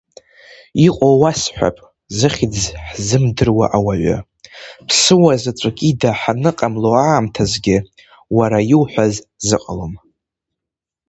Иҟоу уасҳәап, зыхьӡ ҳзымдыруа ауаҩы, ԥсуа заҵәык ида ҳаныҟамло аамҭазгьы уара иуҳәаз зыҟалом.